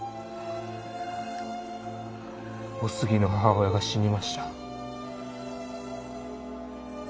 お杉の母親が死にました。